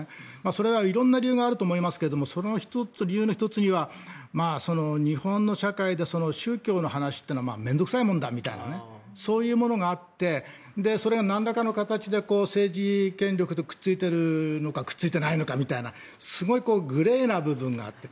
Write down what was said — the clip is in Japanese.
それは色んな理由があると思いますが、その理由の１つには日本の社会で宗教の話というのは面倒臭いものだみたいなそういうものがあってそれがなんらかの形で政治権力とくっついてるのかくっついてないのかというすごいグレーな部分があって。